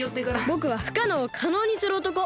ぼくはふかのうをかのうにするおとこ。